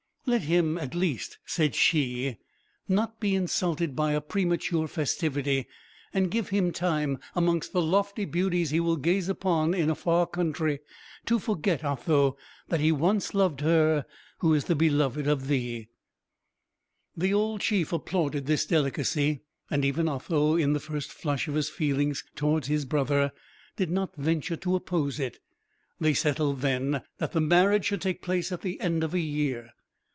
"Let him, at least," said she, "not be insulted by a premature festivity; and give him time, amongst the lofty beauties he will gaze upon in a far country, to forget, Otho, that he once loved her who is the beloved of thee." The old chief applauded this delicacy; and even Otho, in the first flush of his feelings towards his brother, did not venture to oppose it. They settled, then, that the marriage should take place at the end of a year.